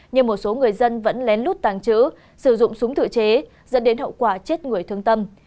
nhưng một số người dân vẫn lén lút tàng trữ sử dụng súng tự chế dẫn đến hậu quả chết người thương tâm